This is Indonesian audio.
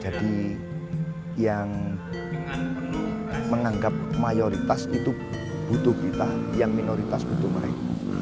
jadi yang menganggap mayoritas itu butuh kita yang minoritas butuh mereka